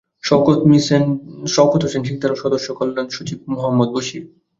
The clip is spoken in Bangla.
সওকত হোসেন সিকদার ও সদস্য কল্যাণ সচিব মোহাম্মদ বশির।